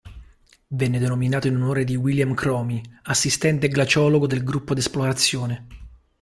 Venne denominato in onore di William Cromie, assistente glaciologo del gruppo di esplorazione.